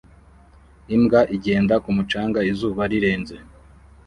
Imbwa igenda ku mucanga izuba rirenze